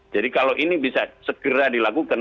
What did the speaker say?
jadi kalau ini bisa segera dilakukan